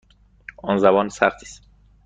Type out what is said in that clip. آن زبان سختی است.